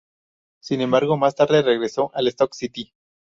Sin embargo más tarde regresó al Stoke City.